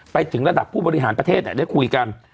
ไปถึงระดับผู้บริหารประเทศได้คุยกัน